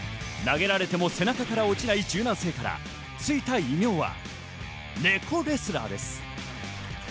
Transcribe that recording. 投げられても、背中から落ちない姿勢から、ついた異名は猫レスラーです。